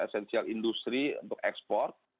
esensial industri untuk ekspor